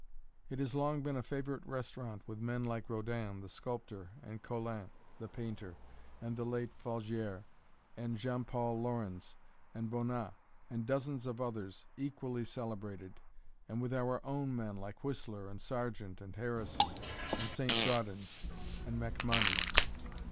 It has long been a favorite restaurant with men like Rodin, the sculptor and Colin, the painter and the late Falguière and Jean Paul Laurens and Bonnat, and dozens of others equally celebrated and with our own men, like Whistler and Sargent and Harrison, and St. Gaudens and Macmonnies.